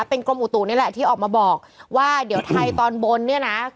เป็นกรมอุตุนี่แหละที่ออกมาบอกว่าเดี๋ยวไทยตอนบนเนี่ยนะ